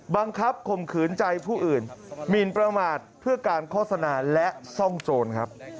บังคับข่มขืนใจผู้อื่นหมินประมาทเพื่อการโฆษณาและซ่องโจรครับ